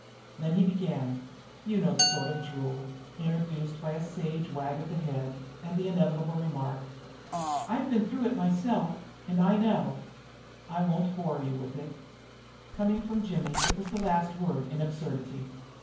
Then he began. You know the sort of drool introduced by a sage wag of the head and the inevitable remark: "I've been through it all myself, and I know." I won't bore you with it. Coming from Jimmy it was the last word in absurdity.